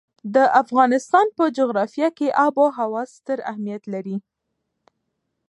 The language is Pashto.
د افغانستان په جغرافیه کې آب وهوا ستر اهمیت لري.